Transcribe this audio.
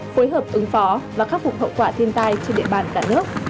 phối hợp ứng phó và khắc phục hậu quả thiên tai trên địa bàn cả nước